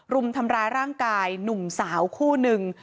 รุมทำร้ายร่างกายหนุ่มสาวคู่นึง